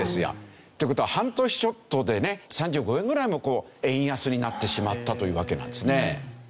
という事は半年ちょっとでね３５円ぐらいもこう円安になってしまったというわけなんですね。